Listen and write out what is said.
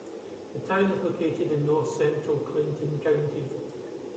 The town is located in north-central Clinton County.